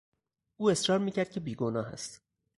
او اصرار میکرد که بیگناه است.